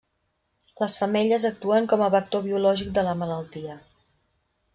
Les femelles actuen com a vector biològic de la malaltia.